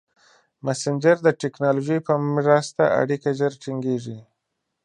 مسېنجر د ټکنالوژۍ په مرسته اړیکه ژر ټینګېږي.